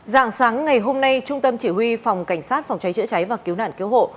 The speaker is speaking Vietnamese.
dạng sáng ngày hôm nay trung tâm chỉ huy phòng cảnh sát phòng cháy chữa cháy và cứu nạn cứu hộ